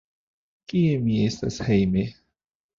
Kie mi estas hejme?